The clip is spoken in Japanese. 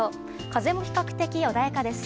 風も比較的穏やかです。